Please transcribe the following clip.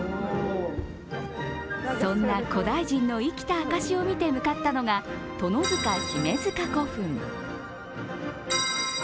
そんな古代人の生きた証しを見て向かったのが、殿塚・姫塚古墳。